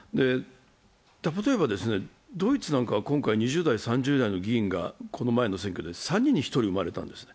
例えばドイツなんかは今回２０代、３０代の議員がこの前の選挙で３人に１人生まれたんですね。